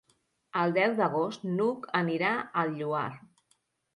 El deu d'agost n'Hug anirà al Lloar.